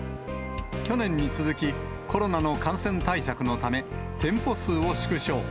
去年に続き、コロナの感染対策のため、店舗数を縮小。